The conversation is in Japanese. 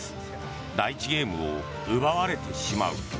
第１ゲームを奪われてしまう。